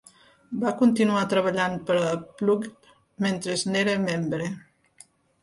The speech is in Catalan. Va continuar treballant per a Plugged mentre n'era membre.